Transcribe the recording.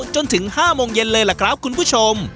จนถึง๕โมงเย็นเลยล่ะครับคุณผู้ชม